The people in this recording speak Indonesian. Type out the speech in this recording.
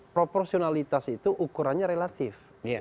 proporsionalitas itu ukurannya relatif